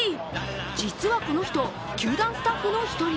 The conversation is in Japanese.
実はこの人球団スタッフの１人。